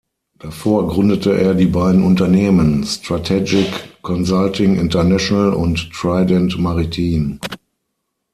Davor gründete er die beiden Unternehmen Strategic Consulting International und Trident Maritime.